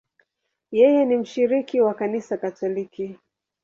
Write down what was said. Yeye ni mshiriki wa Kanisa Katoliki.